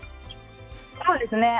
そうですね。